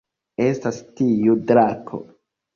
Estas tiu drako